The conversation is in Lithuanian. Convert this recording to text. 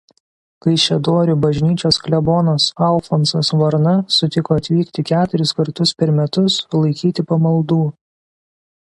Kaišiadorių bažnyčios klebonas Alfonsas Varna sutiko atvykti keturis kartus per metus laikyti pamaldų.